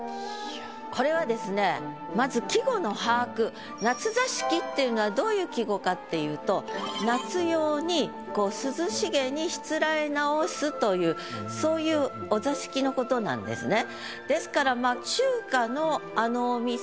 これはですね「夏座敷」っていうのはどういう季語かっていうと夏用に涼しげにしつらえ直すというそういうお座敷の事なんですね。